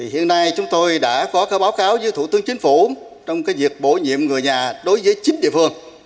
hiện nay chúng tôi đã có báo cáo với thủ tướng chính phủ trong việc bổ nhiệm người nhà đối với chín địa phương